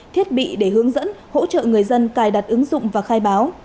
thiết bị để hướng dẫn hỗ trợ người dân cài đặt ứng dụng và khai báo